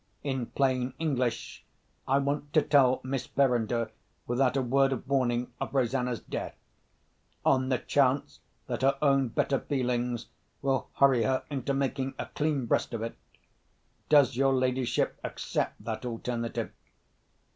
In plain English, I want to tell Miss Verinder, without a word of warning, of Rosanna's death—on the chance that her own better feelings will hurry her into making a clean breast of it. Does your ladyship accept that alternative?"